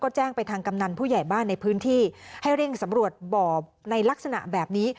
แจ้งไปทางกำนันผู้ใหญ่บ้านในพื้นที่ให้เร่งสำรวจบ่อในลักษณะแบบนี้